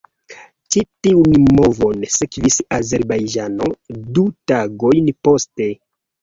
Ĉi tiun movon sekvis Azerbajĝano du tagojn poste.